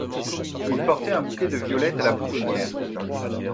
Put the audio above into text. Il portait un bouquet de violettes a la boutonniere.